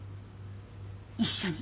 一緒に。